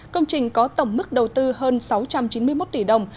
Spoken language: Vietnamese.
công trình có tổng mức đầu tư hơn sáu trăm chín mươi một tỷ đồng